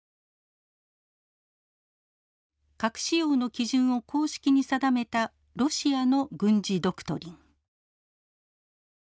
核使用の基準を公式に定めたロシアの軍事ドクトリン。